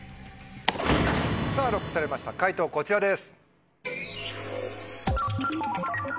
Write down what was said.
さぁＬＯＣＫされました解答こちらです。